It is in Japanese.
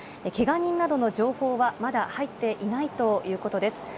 けが人などの情報はまだ入っていないということです。